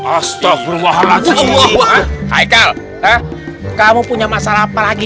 astaghfirullahaladzim hai kamu punya masalah apa lagi